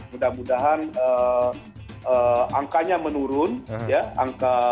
mudah mudahan angkanya menurun ya angka